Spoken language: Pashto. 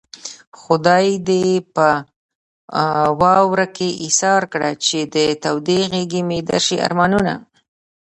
خدای دې په واورو کې ايسار کړه چې د تودې غېږې مې درشي ارمانونه